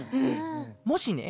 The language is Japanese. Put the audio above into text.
もしね